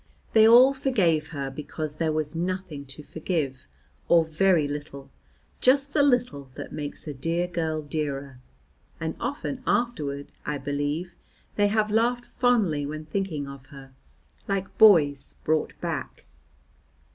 They all forgave her, because there was nothing to forgive, or very little, just the little that makes a dear girl dearer, and often afterward, I believe, they have laughed fondly when thinking of her, like boys brought back.